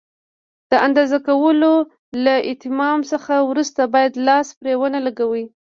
د اندازه کولو له اتمام څخه وروسته باید لاس پرې ونه لګوئ.